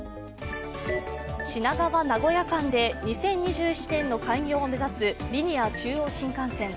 品川−名古屋間で２０２７年の開業を目指すリニア中央新幹線。